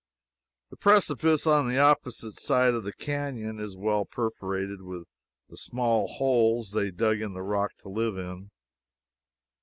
The precipice on the opposite side of the canyon is well perforated with the small holes they dug in the rock to live in.